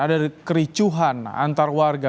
ada kericuhan antar warga